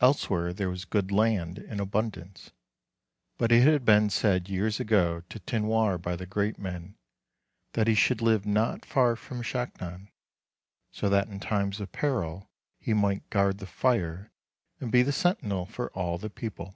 Elsewhere there was good land in abundance, but it had been said years ago to Tinoir by the great men, that he should live not far from Shak non, so that in times of peril he might guard the fire, and be the sentinel for all the people.